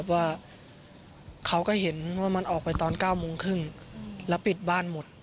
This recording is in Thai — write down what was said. ว่าเขาก็เห็นว่ามันออกไปตอน๙โมงครึ่งแล้วปิดบ้านหมด